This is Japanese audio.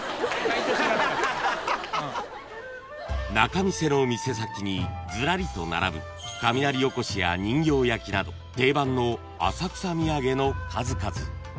［仲見世の店先にずらりと並ぶ雷おこしや人形焼など定番の浅草土産の数々］